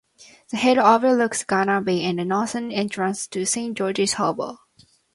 The head overlooks Gunner Bay and the northern entrance to Saint George's Harbour.